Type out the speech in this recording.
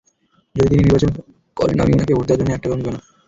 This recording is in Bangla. যদি তিনি নির্বাচন করেন, আমি উনাকে ভোট দেওয়ার জন্য এক টাকাও নিব না।